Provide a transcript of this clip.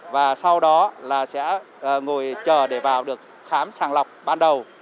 và sau đó là sẽ ngồi chờ để vào được khám sàng lọc ban đầu